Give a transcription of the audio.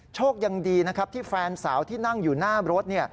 โชคยังดีนะครับที่แฟนสาวที่นั่งอยู่หน้ารถ